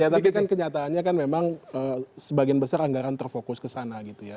ya tapi kan kenyataannya kan memang sebagian besar anggaran terfokus ke sana gitu ya